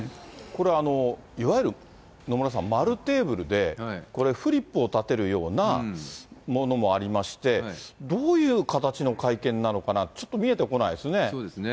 これ、いわゆる野村さん、丸テーブルで、これ、フリップを立てるようなものもありまして、どういう形の会見なのかな、ちょっと見えてこないですね。